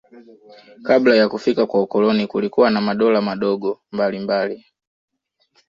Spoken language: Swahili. Kabla ya kufika kwa ukoloni kulikuwa na madola madogo mbalimbali